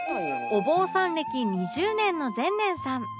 お坊さん歴２０年の善念さん